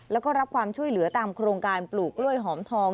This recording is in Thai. แล้วก็รับความช่วยเหลือตามโครงการปลูกกล้วยหอมทอง